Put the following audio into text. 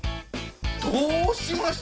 どうしました？